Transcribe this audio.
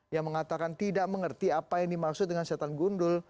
yang mengatakan tidak mengerti apa yang dimaksud dengan setan gundul